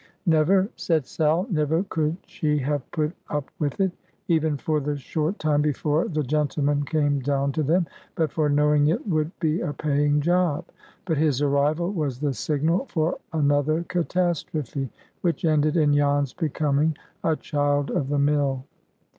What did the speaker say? Never, said Sal, never could she have put up with it, even for the short time before the gentleman came down to them, but for knowing it would be a paying job. But his arrival was the signal for another catastrophe, which ended in Jan's becoming a child of the mill.